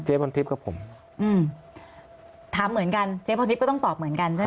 พรทิพย์กับผมอืมถามเหมือนกันเจ๊พรทิพย์ก็ต้องตอบเหมือนกันใช่ไหม